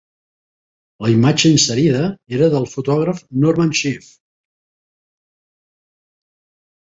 La imatge inserida era del fotògraf Norman Seeff.